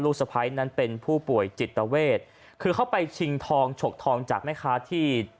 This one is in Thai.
สะพ้ายนั้นเป็นผู้ป่วยจิตเวทคือเขาไปชิงทองฉกทองจากแม่ค้าที่